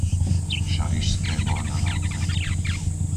Šarišské Bohdanovce